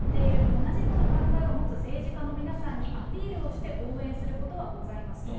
同じような考えを持つ政治家の皆さんにアピールをして応援することはございますと。